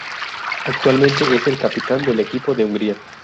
Actualmente es el capitán del Equipo de Hungría.